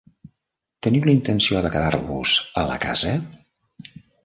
Teniu la intenció de quedar-vos a la casa?